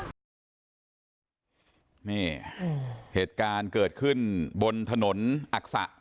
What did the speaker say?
นี่เหตุการณ์เกิดขึ้นบนถนนอักษะ